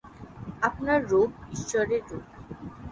আপনার রূপ ঈশ্বরের রূপ।